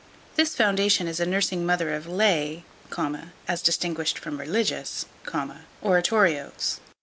This foundation is a nursing mother of lay, as distinguished from religious, oratorios.